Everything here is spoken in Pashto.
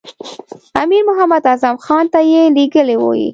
امیر محمد اعظم خان ته یې لېږلی وي.